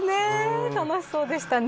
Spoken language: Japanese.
楽しそうでしたね。